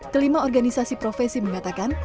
kelima organisasi profesi mengatakan